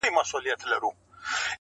يو درس ګرځي ورو-